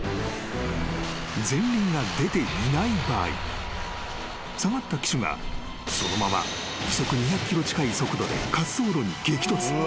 ［前輪が出ていない場合下がった機首がそのまま時速２００キロ近い速度で滑走路に激突］